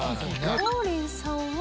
王林さんは？